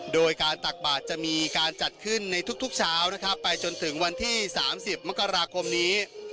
โดยการตักบาทจะมีการจัดขึ้นในทุกเช้านะครับไปจนถึงวันที่๓๐มกราคมนี้